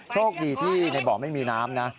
โชคดีที่ในบ่อไม่มีน้ำนะ